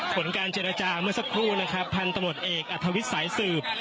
ผลการเจนดาจาเมื่อสักครู่พันตำรวจเอกอธวิตสายสืบ